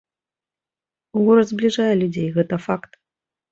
Гора збліжае людзей, гэта факт.